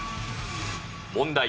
問題。